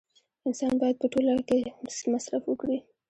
انسان باید په ټوله کې مصرف وکړي